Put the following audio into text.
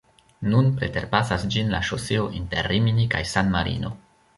Nun preterpasas ĝin la ŝoseo inter Rimini kaj San-Marino.